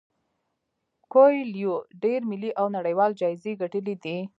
کویلیو ډیر ملي او نړیوال جایزې ګټلي دي.